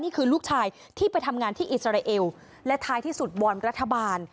นี่คือลูกชายที่ไปทำงานที่อิสราเอลและท้ายที่สุดวอนรัฐบาล